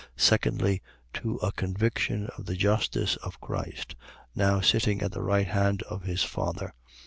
Secondly, to a conviction of the justice of Christ, now sitting at the right hand of his Father.